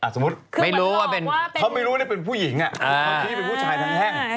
สมมุติเขาไม่รู้ว่าเป็นผู้หญิงอะเขาคิดว่าเป็นผู้ชายทั้งแท่ง